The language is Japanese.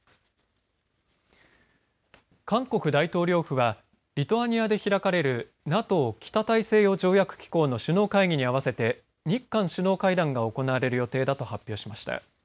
韓国大統領府はリトアニアで開かれるＮＡＴＯ＝北大西洋条約機構の首脳会議に合わせて日韓首脳会談が行われる予定だと発表しました。